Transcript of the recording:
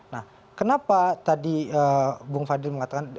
nah kenapa tadi bung fadil mengatakan